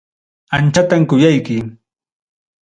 Anchatam kuyayki.